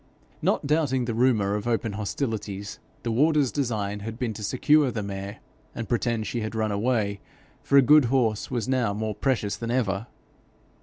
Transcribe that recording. Not doubting the rumour of open hostilities, the warder's design had been to secure the mare, and pretend she had run away, for a good horse was now more precious than ever.